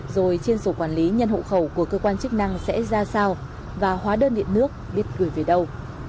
rồi trên sổ quản lý nhân hộ khẩu của cơ quan chức năng sẽ ra sao và hóa đơn điện nước biết gửi về đâu